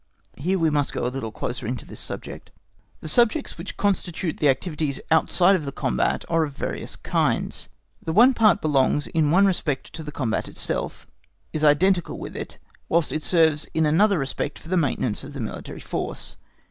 Here we must go a little closer into this subject. The subjects which constitute the activities outside of the combat are of various kinds. The one part belongs, in one respect, to the combat itself, is identical with it, whilst it serves in another respect for the maintenance of the military force.